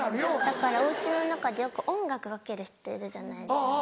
だからお家の中でよく音楽かける人いるじゃないですか。